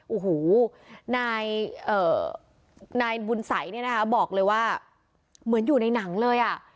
โอ้โหนายบุญสัยเนี่ยนะคะบอกเลยว่าเหมือนอยู่ในหนังเลยอ่ะ